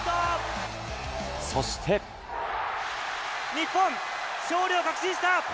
日本、勝利を確信した。